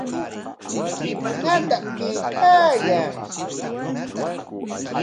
¿Pikunataq kaykaayan?